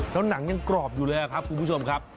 แล้วหนังยังกรอบอยู่เลยครับคุณผู้ชมครับ